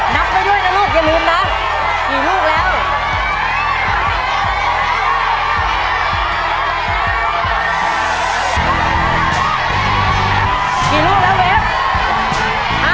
นับมาด้วยนะลูกอย่าลืมล่ะสี่ลูกแล้ว